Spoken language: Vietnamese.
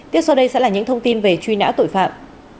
tiếp sau đây sẽ là những thông tin về truy nã tội phạm